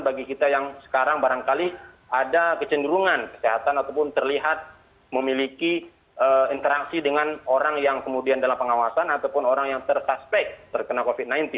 bagi kita yang sekarang barangkali ada kecenderungan kesehatan ataupun terlihat memiliki interaksi dengan orang yang kemudian dalam pengawasan ataupun orang yang tersuspek terkena covid sembilan belas